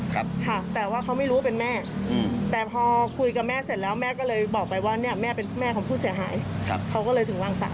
เขาก็เลยถึงว่างสาย